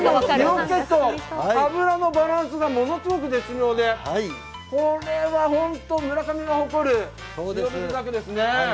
塩気と脂のバランスがものすごく絶妙でこれはホント、村上が誇る塩引き鮭ですね。